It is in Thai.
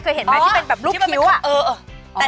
เคยเห็นไหมที่เป็นแบบลูกคิ้วอะอ๋อที่มันเป็นคำเออ